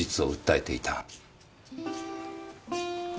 え？